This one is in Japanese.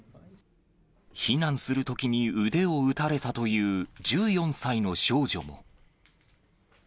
避難するときに腕を撃たれたという１４歳の少女も。